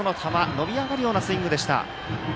伸び上がるようなスイングでした。